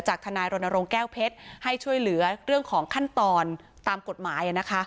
ทนายรณรงค์แก้วเพชรให้ช่วยเหลือเรื่องของขั้นตอนตามกฎหมาย